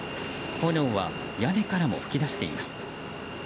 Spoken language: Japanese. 炎は屋根からも噴き出しています。